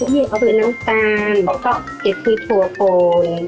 นี่ก็เป็นน้ำตาลก็เก็บที่ถั่วโกน